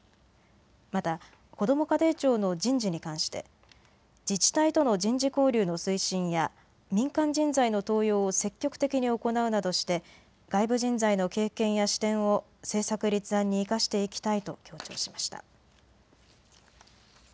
また、こども家庭庁の人事に関して自治体との人事交流の推進や民間人材の登用を積極的に行うなどして外部人材の経験や視点を政策立案に生かしていきたいと強調しました。